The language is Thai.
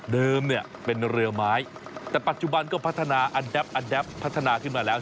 เดิมเนี้ยเป็นเรือไม้แต่ปัจจุบันก็พัฒนาพัฒนาขึ้นมาแล้ว